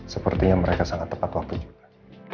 sepertinya mereka sangat tepat waktu juga